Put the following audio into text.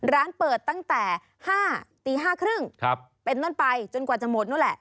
ร้านเปิดตั้งแต่๕ตี๕๓๐เป็นต้นไปจนกว่าจะหมดนู้นแหละ